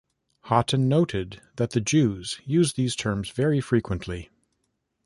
Hotten noted that The Jews use these terms very frequently.